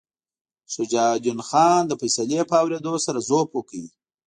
شجاع الدین خان د فیصلې په اورېدو سره ضعف وکړ.